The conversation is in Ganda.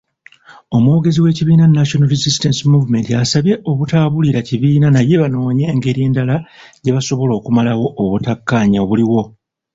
Omwogezi w'ekibiina National Resistance Movement asabye obutaabulira kibiina naye banoonye engeri endala gyebasobola okumalawo obutakkanya obuliwo.